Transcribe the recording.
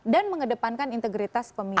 dan mengedepankan integritas pemilu